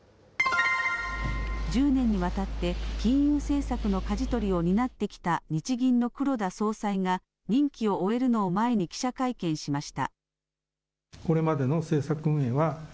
１０年にわたって金融政策のかじ取りを担ってきた日銀の黒田総裁が、任期を終えるのを前に記者会見しました。